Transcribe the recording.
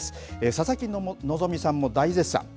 佐々木希さんも大絶賛。